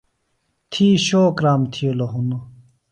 تھی شو کرام تھِیلوۡ ہِنوۡ۔